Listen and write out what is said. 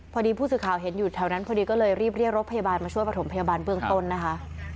พอดีผู้สื่อข่าวเห็นอยู่แถวนั้นพอดีก็เลยรีบเรียกรถพยาบาลมาช่วยประถมพยาบาลเบื้องต้นนะคะ